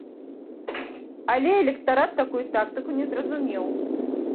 Але электарат такую тактыку не зразумеў.